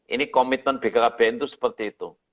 ini komitmen bkkbn itu seperti itu